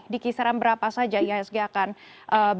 di kisaran berapa saja ihsg akan eee bisa kita menangani